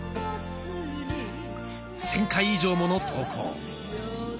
１，０００回以上もの投稿。